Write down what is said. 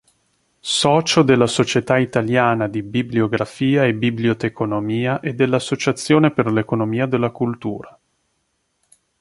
Socio della Società italiana di bibliografia e biblioteconomia e dell'Associazione per l'economia della cultura.